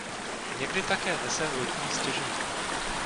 Někdy také nese lodní stěžeň.